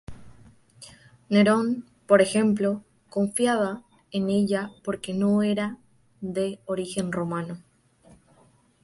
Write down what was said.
Nerón, por ejemplo, confiaba en ella porque no era de origen romano.